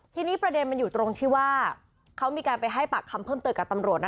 ทีนี้ประเด็นมันอยู่ตรงที่ว่าเขามีการไปให้ปากคำเพิ่มเติมกับตำรวจนะ